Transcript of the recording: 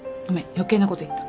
余計な事言った。